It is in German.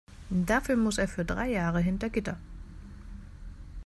Dafür muss er für drei Jahre hinter Gitter.